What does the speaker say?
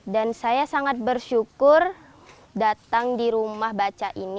dan saya sangat bersyukur datang di rumah baca ini